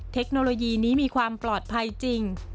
เทคโนโลยีนี้มีความปลอดภัยจริง